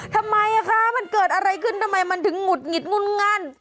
ทำไมคะมันเกิดอะไรขึ้นทำไมมันถึงหงุดหงิดงุ่นงั่น